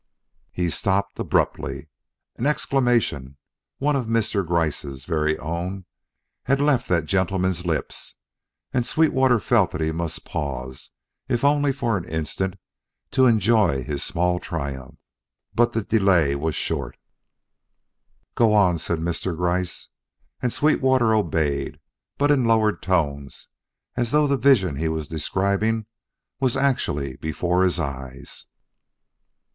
He stopped abruptly. An exclamation one of Mr. Gryce's very own had left that gentleman's lips, and Sweetwater felt that he must pause if only for an instant, to enjoy his small triumph. But the delay was short. "Go on," said Mr. Gryce; and Sweetwater obeyed, but in lowered tones as though the vision he was describing was actually before his eyes.